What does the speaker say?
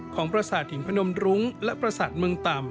ประสาทหินพนมรุ้งและประสาทเมืองต่ำ